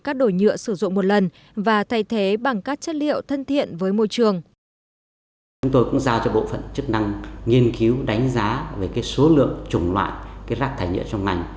cho bộ phận chức năng nghiên cứu đánh giá về số lượng trùng loại rác thải nhựa trong ngành